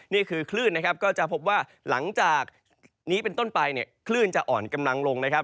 นี่คือคลื่นนะครับก็จะพบว่าหลังจากนี้เป็นต้นไปเนี่ยคลื่นจะอ่อนกำลังลงนะครับ